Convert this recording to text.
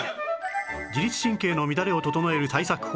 自律神経の乱れを整える対策法